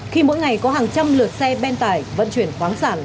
khi mỗi ngày có hàng trăm lượt xe ben tải vận chuyển khoáng sản